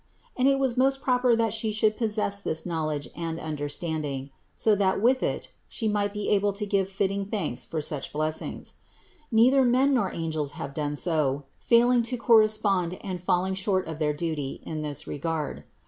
And it was most proper that She should possess this knowledge and understanding, so that with it She might be able to give fitting thanks for these blessings. Neither men nor angels have done so, failing to correspond and falling short of their duty in this regard.